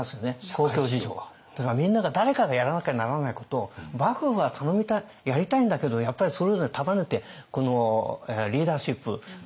公共事業みんなが誰かがやらなきゃならないことを幕府が頼みたいやりたいんだけどやっぱりそれぞれを束ねてリーダーシップといいますかね。